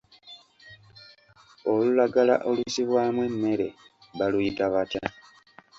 Olulagala olusibwamu emmere baluyita batya?